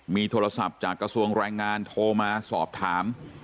มีโทรศัพท์จากกระทรวงแรงงานโทรมาสอบถาม